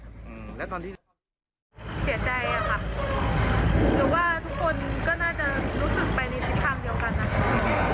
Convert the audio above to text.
เอือแล้วตอนที่รู้ข่าว